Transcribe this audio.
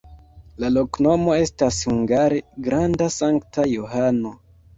La loknomo estas hungare: granda-Sankta Johano.